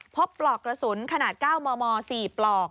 ปลอกกระสุนขนาด๙มม๔ปลอก